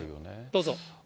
どうぞ。